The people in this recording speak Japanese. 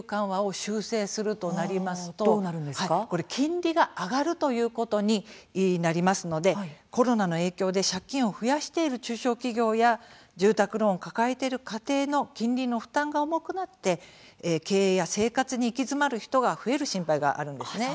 これ、金利が上がるということになりますのでコロナの影響で借金を増やしている中小企業や住宅ローンを抱えている家庭の金利の負担が重くなって経営や生活に行き詰まる人が増える心配があるんです。